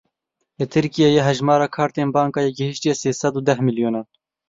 Li Tirkiyeyê hejmara kartên bankayê gîhiştiye sê sed û deh milyonan.